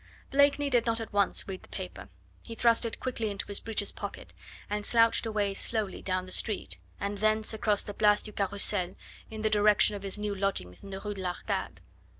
Blakeney did not at once read the paper; he thrust it quickly into his breeches pocket and slouched away slowly down the street, and thence across the Place du Carrousel, in the direction of his new lodgings in the Rue de l'Arcade.